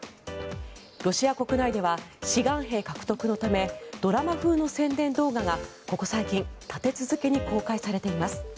ロシア国内では志願兵獲得のためドラマ風の宣伝動画がここ最近立て続けに公開されています。